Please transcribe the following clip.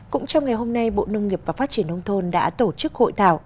cũng trong ngày hôm nay bộ nông nghiệp và phát triển nông thôn đã tổ chức hội thảo